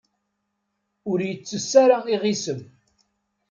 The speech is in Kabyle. Ur yettess ara iɣisem.